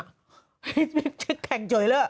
ก่อนหน้านี้ที่ตีปริงปองอ่ะไปแข่งซีเกมอ่ะ